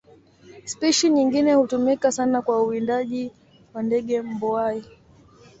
Spishi nyingine hutumika sana kwa uwindaji kwa ndege mbuai.